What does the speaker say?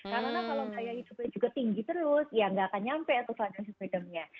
karena kalau gaya hidupnya juga tinggi terus ya nggak akan nyampe itu financial freedomnya